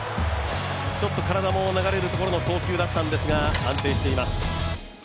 ちょっと体も流れるところの送球でしたが安定しています。